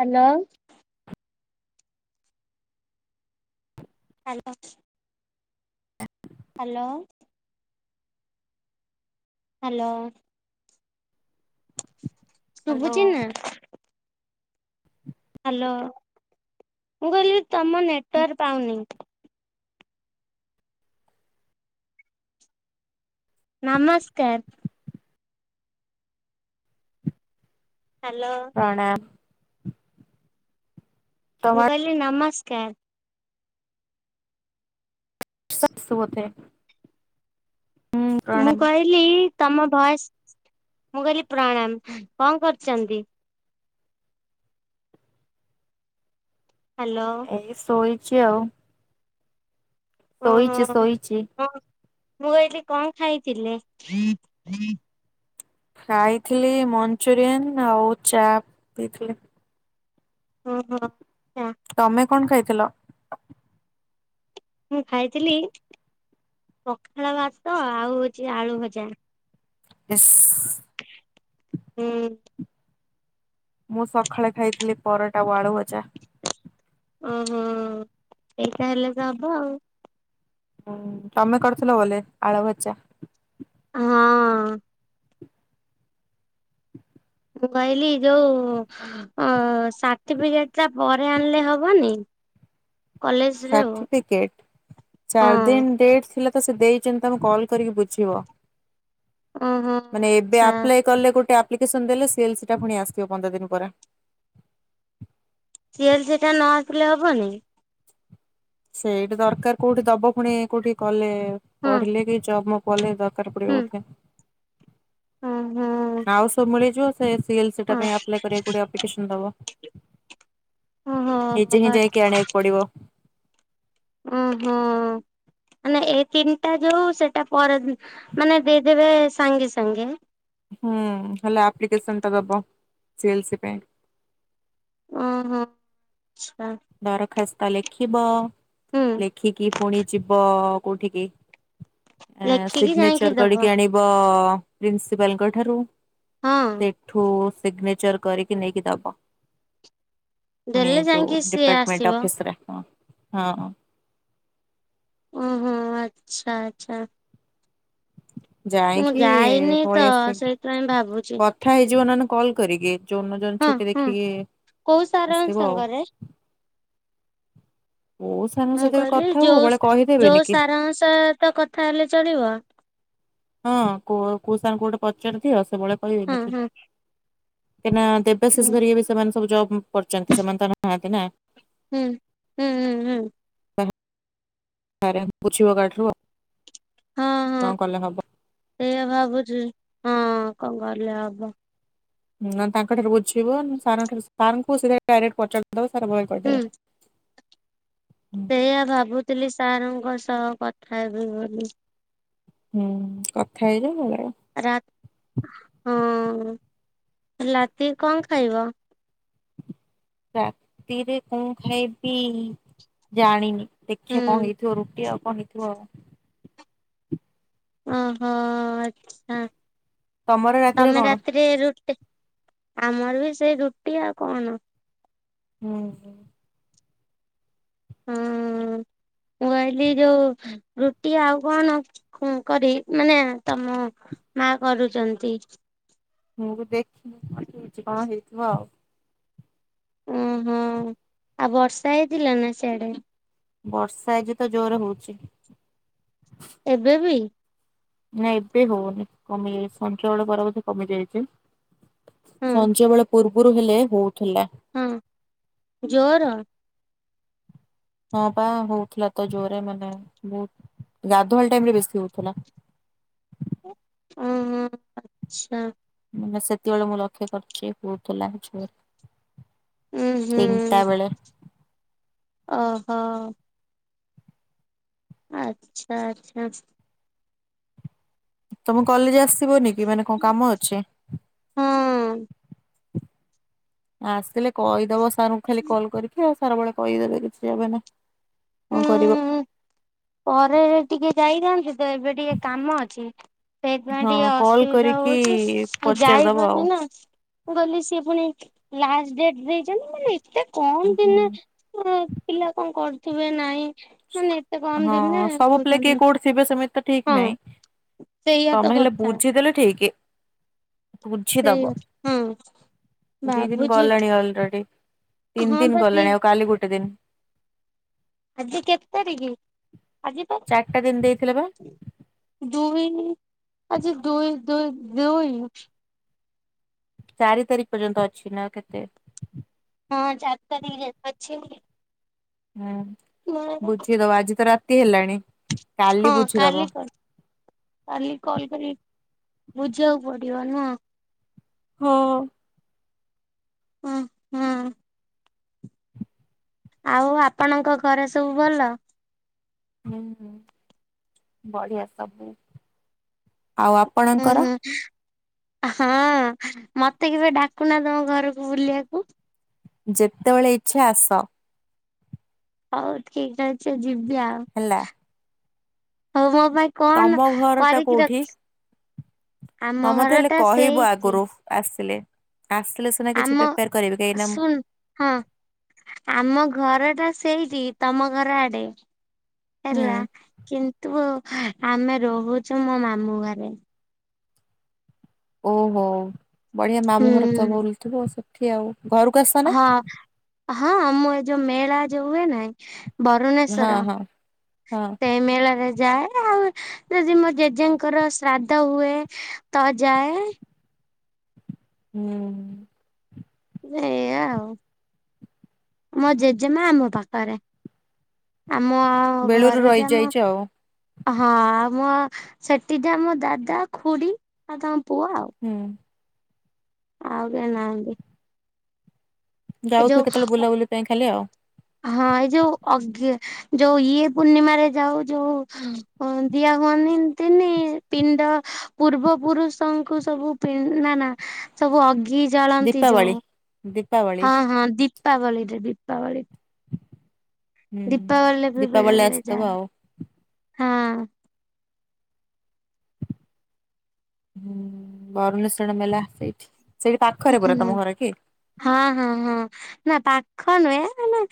Hello. Hello. Hello. Hello. Hello ଶୁବୁଚି ନା? Hello, ମୁଁ କଇଲି ତୋମ ନେଟୱାର୍ ପାଉନି। ନମସ୍କାର। ହାଲୋ। ପ୍ରଣାମ। ମୁଁ ତମ କଇଲି ନମସ୍କାର। ସତ୍ ସୁବତେ। ମୁଁ କଇଲି ତୋମ ଭଏସ୍, ମୁଁ କଇଲି ପ୍ରଣାମ, କଣ କରଚନ୍ତି? ହାଲୋ। ଏଇ ଶୋଇଚି ଆଉ। ହଁ, ଶୋଇଛି ହଁ, ଶୋଇଛି। ହଁ ମୁଁ କଇଲି କଣ ଖାଇଥିଲେ? ଖାଇଥିଲି ମଞ୍ଚୁରିଆନ୍ ଆଉ ଚା ପିଇଥିଲି। ଓହୋ। ତୋମେ କଣ ଖାଇଥିଲ? ମୁଁ ଖାଇଥିଲି ପଖାଳ ଭାତ ଆଉ ହଉଛି ଆଳୁ ଭଜା। ଇସ୍ ହୁଁ। ମୁଁ ସଖାଳେ ଖାଇଥିଲି ପରଟା ଓ ଆଳୁ ଭଜା। ଅଁ, ହଁ ଏଇଟା ହେଲେ ତ ହବ ଆଉ। ହୁଁ, ତୋମେ କରିଥିଲ ବୋଲେ ଆଳୁ ଭଜା? ହଁ। ମୁଁ କଇଲି ଯୋଉ ଅ, ସାଠିପିକେଟ୍ ଟା ପରେ ଆଣିଲେ ହବନି? କଲେଜରେ ଆଉ ସାଠିପିକେଟ୍ ଚାର୍ ହଁ ଦିନ୍ ଡେଟ୍ ଥିଲା। ତ ସେ ଦେଇଚନ୍ତି ତମେ କଲ୍ କରିକି ବୁଝିବ ଓହୋ ମାନେ ଏବେ ଆଚ୍ଛା ଆପ୍ଲାଏ ତ ତ କଲେ ଗୋଟେ ଆପ୍ଲିକେସନ୍ ଦେଲେ ସି ଏଲ୍ ସିଟା ପୁଣି ଆସିଅ ପନ୍ଦର୍ ଦିନ୍ ପରେ ସି ଏଲ୍ ସି ଟା ନ ଆସିଲେ ହବନି? ସେଇଟି ଦରକାର କୋଉଠି ଦବ ପୁଣି କୋଉଠି କଲେ ହଁ ପଢ଼ିଲେ କି ଜବ୍ ମୋ କଲେ ଦରକାର୍ ପଡ଼ିବ ହୁଁ ବୋଧେ ଓହୋ ଆଉ ସବୁ ମିଳିଯିବ ସେ ସି ଏଲ୍ ସି ଟା ପାଇଁ ଆପ୍ଲାଏ କରିବାକୁ ପଡ଼ିବ ଆପ୍ଲିକେସନ୍ ଦବ। ଓହୋ ନିଜେ ହିଁ ଯାଇକି ଆଣିଆକୁ ପଡ଼ିବ। ଓହୋ। ମାନେ ଏଇ ତିନ୍ ଟା ଯୋଉ ସେଟା ପରେ ମାନେ ଦେଇଦେବେ ସାଙ୍ଗେ ସାଙ୍ଗେ। ହୁଁ ହେଲା ଆପ୍ଲିକେଶନ୍ ଟା ଦେବ ସି ଏଲ୍ସି ପାଇଁ। ଓହୋ ଆଚ୍ଛା। ଦରଖାସ୍ତ ଲେଖିବ ହୁଁ ଲେଖିକି ପୁଣି ଯିବ ପୁଣି କୋଉଠିକି? ଆଁ ଲେଖିକି ଯାଇକି ସିଗ୍ନେଚର ଦବ କରିକି ଆଣି ପ ପ୍ରିନ୍ସିପାଲଙ୍କ ଠାରୁ ହଁ ସେଠୁ ସିଗ୍ନେଚର କରିଛି ନେଇକି ଦବ ପୁଣି ଦେଲେ ଯୋଉ ଯାଇକି ସିଏ ଆସିବ ସେରା କଣ ହଁ ଓହୋ ଆଚ୍ଛା ଆଛା। ଯାଇକି ଯାଇନି ତ ପଳେଇ ଆସି ସେଇଥିପାଇଁ ଭାବୁଛି କଥା ହେଇଯିବ ନହେଲେ କଲ କରିକି। ଯୋଉ ଯୋଉ ଦିନ ହଁ ଛୁଟି ହଁ ଦେଖିକି କୋଉ ସାରଙ୍କ ଆସିବ ଆଉ ସାଙ୍ଗରେ? କୋଉ ସାରଙ୍କ ମୁଁ ସହିତ ବି କହିଲି କଥା ହୁଅ ଯୋଉ ବଳେ କହିଦେବେନି ଯୋଉ କି ସାରଙ୍କ ସହିତ କଥା ହେଲେ ଚଳିବ। ହଁ କୁହ କୋଉ ସାରଙ୍କୁ ପଚାରି ଦିଅ ସେ ବଳେ ହଁ କହିବେନିକି ହଁ କାହିଁକିନା ଦେବ ବିଶେଷ ହୁଁ କରିକି ବି ସେମାନେ ସବୁ ଜବ୍ କରୁଛନ୍ତି ସେମାନେ ତ ନାହାନ୍ତି ନା। ହୁଁ ହୁଁ ହୁଁ ହୁଁ। ସାରେ ବୁଝିବ କାହାଠାରୁ କଣ କଲେ ହବ? ଏଇଆ ଭାବୁଛି ହଁ କଣ କଲେ ହବ? ନା ତାଙ୍କ ଠାରୁ ବୁଝିବ ସାରଙ୍କ ଠାରୁ ସାର୍ ଙ୍କୁ ସିଏ ଡାଇରେକ୍ଟ ପଚାରି ଦେବ ସାରେ ବଳେ ହୁଁ କହିଦେବେ। ଏଇଆ ଭାବୁଚି ଥିଲି ସାରଙ୍କ ସହ କଥା ହେବି ବୋଲି। ହୁଁ କଥା ହେଇଯାଅ ଭଲ। ରା ହଁ ଲାତିକି କଣ ଖାଇବ? ରାତିରେ କଣ ଖାଇବି ଜାଣିନି? ହୁଁ ଦେଖିବା କଣ ହେଇଥିବ ରୁଟି ଆଉ କଣ ହେଇଥିବ ଆଉ ଓହୋ ଆଚ୍ଛା ତମର ତମେ କଣ? ରାତିରେ ରୁଟି ଆମର ବି ସେଇ ରୁଟି ଆଉ କଣ? ହୁଁ। ହଁ ମୁଁ କହିଲି ଯୋଉ ରୁଟି ଆଉ କଣ କରି ମାନେ ତମ ମା କରୁଛନ୍ତି। ମୁଁ ବି ଦେଖ ଛ ହେଇଥିବ ଆଉ ହୁଁ ହୁଁ ଆଉ ବର୍ଷା ହେଇଥିଲା ନା ସେଆଡେ? ବର୍ଷା ଏଜି ତ ଜୋର ହଉଛି। ଏବେ ବି? ନା ଏବେ ହଉନି କମିଯାଇଛି ସଞ୍ଜ ପରବର୍ତ୍ତୀ କମି ଯାଇଛି। ହଁ ସଞ୍ଜ ବେଳେ ପୂର୍ବରୁ ହେଲେ ହଉଥିଲା। ହଁ ଜୋର ହଁ ପା ହଉଥିଲା ତ ଜୋରେ ମାନେ ବହୁତ ଗାଧୁଆବେଳ ଟାଇମରେ ବେଶୀ ହଉଥିଲା। ହଁ ହଁ ଆଛା। ମାନେ ସେତେବେଳେ ମୁଁ ଲକ୍ଷ୍ୟ କରିଛି ହଉଥିଲା ଜୋରେ। ହୁଁ ତିନିଟା ହୁଁ ବେଳେ ଓହ। ଆଚ୍ଛା ଆଚ୍ଛା। ତମ କଲେଜ ଆସିବନି କି ମାନେ କଣ କାମ ଅଛି? ହୁଁ। ଆସିଲେ କହିଦବ ସାରଙ୍କୁ ଖାଲି କଲ କରିକି ଆଉ ସାର ବେଳେ କହିଦେବେ କିଛି ହେବନି। କଁ କରିବ? ହୁଁ। ପରେ ଟିକେ ଯାଇଥାନ୍ତି ତ ଏବେ ଟିକେ କାମ ଅଛି। ସେଇଥିପାଇଁ ହଁ ଟିକେ କଲ୍ ଅସୁବିଧା କରିକି ହଉଛି ମୁଁ ପଚାରିଦବ ଆଉ ଯାଇପାରୁନି ନା। ମୁଁ ଗଲି ସିଏ ପୁଣି ଲାଷ୍ଟ ଡ଼େଟ୍ ଦେଇଛନ୍ତି ମାନେ ଏତେ କମ ହୁଁ। ଦିନି। ର ପିଲା କଣ କରୁଥିବେ ନାଇଁ ମାନେ ଏତେ କମ୍ ହଁ ଦିନିରେ ସବୁ ପିଲା କିଏ କହୁଛନ୍ତି କୋଉଠି ଥିବେ ସେମିତି ତ ଠିକ ନାହିଁ ହଁ। ସେଇଆ ତମେ ତ ହେଲେ କଥା। ବୁଝିଦେଲେ ଠିକ। ବୁଝିଦବ ସେଇଆ ହଁ ଦି ଦିନ ଭାବୁଛି ଗଲାଣି ଅଲରେଡ଼ି। ତିନି ହଁ ଦିନ ବା ଦି ଗଲାଣି ଆଉ କାଲି ଗୋଟେ ଦିନି। ଆଜି କେତ୍ ତାରିକି ଆଜି ତ ଚାରିଟା ଦିନ ଦେଇଥିଲେ ବା ଦୁଇ ନି ଆଜି ଦୁଇ ଦୁଇ ଦୁଇ ଚାରି ତାରିକ୍ ପର୍ଯ୍ୟନ୍ତ ଅଛି ନା କେତେ? ହଁ ଚାରତାରିକି ଯାଏ ଅଛି। ହୁଁ ହଁ ବୁଝିଦବ ଆଜି ତ ରାତି ହେଲାଣି କାଲି କାଲି ବୁଝିଦବ। କାଲି କଲ କରି ବୁଝିବାକୁ ପଡ଼ିବ ନୁଅଁ। ହଁ। ଉଁ ହଁ। ଆଉ ଆପଣଙ୍କ ଘରେ ସବୁ ଭଲ? ହୁଁ ହୁ ବଢ଼ିଆ ସବୁ ଆଉ ଉଁ ଆପଣଙ୍କର? ହୁଁ ହଁ ମତେ କେବେ ଡ଼ାକୁନା ତମ ଘରକୁ ବୁଲିବାକୁ। ଯେତେବେଳେ ଇଚ୍ଛା ଆସ। ହଉ ଠିକ ଅଛି ଯିବି ଆଉ। ହେଲା। ହଉ ମୋ ପାଇଁ ତମ କଣ ଘର ଟା କରିକି କୋଉଠି? ରଖି ହଁ ଆମ ମତେ ହେଲେ ଘରଟା କହିବ ସେଇଟି। ଆଗରୁ ଆସିଲେ ଆସିଲେ ସିନା କିଛି ଆମ ପ୍ରିପାୟାର କରିବି କାହିଁକିନା ମୁଁ ଶୁଣ ହଁ ଆମ ଘରଟା ସେଇଠି ତମ ଘର ଆଡ଼େ। ହେଲା ହୁଁ କିନ୍ତୁ ଆମେ ରୋହୁଛୁ ମୋ ମାମୁଁ ଘରେ। ଓହୋ ବଢ଼ିଆ ମାମୁଁ ଘର ତ ହୁଁ। ବୁଲୁଥିବ ସେଠି ଆଉ ଘରକୁ ଆସ ନା ହଁ ହଁ ମୁଁ ଏ ଯୋଉ ମେଳା ଯୋଉ ହୁଏ ନାଇଁ ହଁ ବରୁଣେଶ୍ୱର ହଁ ହଁ ସେଇ ମେଳାରେ ଯାଏ ଆଉ ଯଜି ମୋ ଜେଜେଙ୍କର ଶ୍ରାଦ୍ଧ ହୁଏ ତ ଯାଏ। ହୁଁ। ଏଇଆ ଆଉ। ମୋ ଜେଜେମା ଆମ ପାକାରେ ଆମ ବେଳୁରୁ ଘରେ ଯାମ ରହିଯାଇଛ ଆଉ ହଁ ଆମ ସେଠି ଯା ମୋ ଦାଦା ଖୁଡ଼ି ଆଉ ତାଙ୍କ ପୁଅ ଆଉ। ହୁଁ। ଆଉ କେଇ ନାହାଁନ୍ତି। ଯାଉଥିବ କେତେବେଳେ ବୁଲାବୁଲି ପାଇଁ ଖାଲି ଆଉ। ହଁ ଏଇ ଯୋଉ ଅଗ୍ୟେ ଯୋଉ ଇଏ ପୂର୍ଣ୍ଣିମାରେ ଯାଉ ଯୋଉ ଦିଆ ହୁଅନ୍ତିନି ପିଣ୍ଡ। ପୂର୍ବ ପୁରୁଷଙ୍କୁ ସବୁ ପି ନା ନା ସବୁ ଅଘି ଜାଳନ୍ତି ଯୋଉ। ଦେକ୍ ହଁ ହଁ ଦୀପାବଳିରେ ଦୀପାବଳି। ଦୀପାବଳିରେ ହୁଁ- ବି ବେଳେ ଦୀପାବଳିରେ ବେଳେ ଯାଏ ଆସିଥବ ଆଉ। ହଁ ହୁଁ ବରୁଣେଶଶ୍ଵର ମେଲା ସେଇଠି ସେଇ ପାଖରେ ପୁରା ହଁ ତମ ଘର କି? ହଁ- ହଁ -ହଁ ନା ପାଖ ନୁହେଁ ମାନେ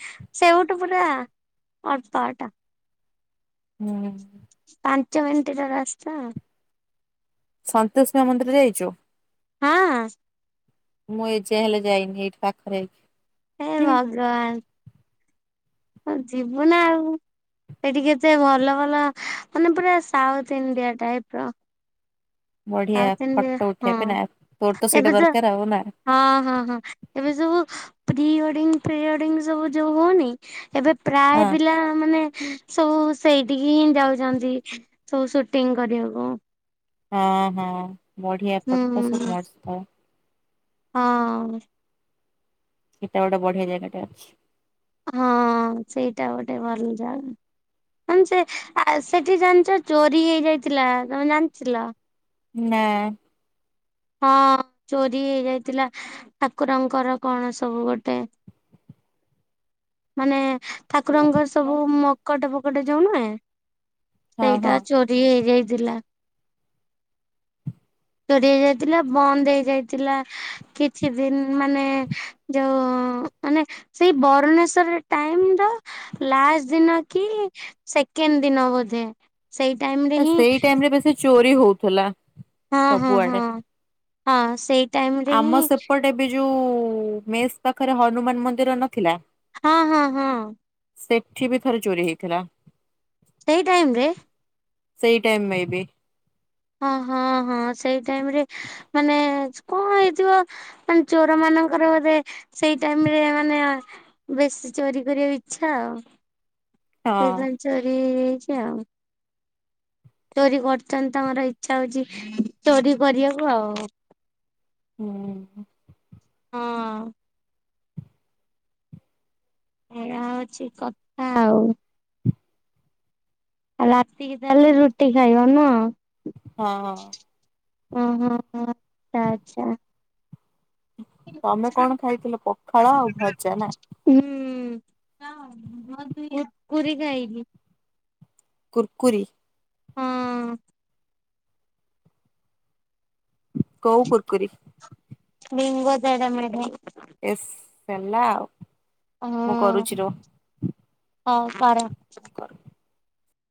ସେଉଠୁ ପୁରା ଅଳ୍ପ ବାଟ। ହୁଁ। ପାଞ୍ଚ ମିନିଟ୍ ର ରାସ୍ତା ଆଉ। ସନ୍ତୋଷୀ ମା ମନ୍ଦିର ଯାଇଚୁ? ହଁ। ମୁଁ ଏଯାଏଁ ହେଲେ ଯାଇନି ଏଇ ପାଖେରେ ହେଇକି। ହେ! ହୁଁ ଭଗବାନ୍। ହଁ- ଯିବୁ ନା ଆଉ। ସେଠି କେତେ ଭଲ ଭଲ ମାନେ ପୁରା ସାଉଥ୍ ଇଣ୍ଡିଆ ଟାଇପ୍ ର। ବଢିଆ ସାଉଥ ଇଣ୍ଡିଆ ଫଟୋ ଉଠେବା ହଁ ପାଇଁ ନା ତୋର୍ ତ ସେଇଟା ଦରକାର୍ ଆଉ ନା। ହଁ- ହଁ -ହଁ ଏବେ ସବୁ ପ୍ରି ୱେଡିଙ୍ଗ୍ ପ୍ରେ ୱେଡିଙ୍ଗ୍ ସବୁ ଯଉ ହଉନି ଏବେ ପ୍ରାୟ ହଁ ପିଲା ମାନେ ସବୁ ସେଇଠିକି ହିଁ ଯାଉଚନ୍ତି ସବୁ ସୁଟିଂ କରିବାକୁ। ହଁ- ହଁ ବଢିଆ ଫୋଟୋସୁଟ୍ ହୁଁ ମସ୍ତ୍ ପୁରା। ହଁ। ହେଟା ଗୋଟେ ବଢିଆ ଜାଗାଟେ ଅଛି। ହଁ ସେଇଟା ଗୋଟେ ଭଲ୍ ଜାଗା। ମାନେ ସେ ସେଠି ଜାଣିଚ ଚୋରି ହେଇଯାଇଥିଲା -ତମେ ଜାଣିଥିଲ? ନା। ହଁ- ଚୋରି ହେଇଯାଇଥିଲା। ଠାକୁରଙ୍କର କଣ ସବୁ ଗୋଟେ- ମାନେ ହଁ ଠାକୁରଙ୍କର ସବୁ ମକଟ ଫକଟ ଯଉ ନୁହେଁ ହଁ ସେଇଟା ଚୋର୍ ରି ହେଇଯାଇଥିଲା। ଚୋରି ହେଇଯାଇଥିଲା ବନ୍ଦ୍ ହେଇଯାଇଥିଲା କିଛି ଦିନ୍ ମାନେ ଯଉ ମାନେ ସେଇ ବରଣେଶ୍ଵର ରେ ଟାଇମ୍ ଦା ଲାଷ୍ଟ୍ ଦିନ କି ସେକେଣ୍ଡ୍ ଦିନ ବୋଧେ। ସେଇ ଟାଇମ୍ ଆ-ସେଇ ଟାଇମ୍ ରେ ବେଶୀ ଚୋରି ହଉଥିଲା। ହଁ -ହଁ- ସବୁଆଡେ। ହଁ -ହଁ ସେଇ ଟାଇମ ରେ ଆମ ହିଁ ସେପଟେ ଏବେ ଯଉ ମେସ୍ ପାଖରେ ହନୁମାନ ମନ୍ଦିର ନଥିଲା ହଁ- ହଁ- ହଁ। ସେଠି ବି ଥରେ ଚୋରି ହେଇଥିଲା। ସେଇ ଟାଇମ୍ ରେ ସେଇ ଟାଇମ୍ ମେ ବି। ହଁ- ହଁ -ହଁ ସେଇ ଟାଇମ୍ ରେ ମାନେ କଣ ହେଇଥିବ ମାନେ ଚୋର ମାନଙ୍କର ବୋଧେ ସେଇ ଟାଇମ୍ ରେ ମାନେ ବେଶୀ ଚୋରି କରିବାକୁ ଇଚ୍ଛା ଆଉ ହଁ। ସେଇପାଇଁ ଚୋରି ହେଇଯାଇଚି ଆଉ। ଚୋରି କରୁଚନ୍ତି ତାଙ୍କର ଇଚ୍ଛା ହଉଚି ଚୋରି କରିବାକୁ ଆଉ। ହୁଁ। ହଁ। ହେଇଆ ହଉଚି କଥା ଆଉ। ଆଉ ରାତିିକି ତାହେଲେ ରୁଟି ଖାଇବ ନୁହଁ? ହଁ -ହଁ। ଉଁ -ହୁଁ -ହୁଁ- ହୁଁ ଆଚ୍ଛା। ତମେ କଣ ଖାଇଥିଲ -ପଖାଳ ଆଉ ଭଜା ନା? ହୁଁ ମୁଁ ପୁରି ଖାଇଲି। କୁର୍ କୁରି। ହଁ। କୋଉ କୁର୍ କୁରି? Bingo ଟେଡେ mayday. ଇସ୍ ହେଲା ଆଉ। ମୁଁ ହଁ କରୁଛି ରୁହ ହ ପାର କର।